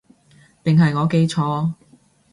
定係我記錯